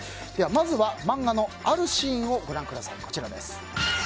まずは漫画のあるシーンをご覧ください。